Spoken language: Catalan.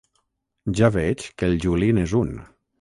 Ja veig que el Juli n'és un.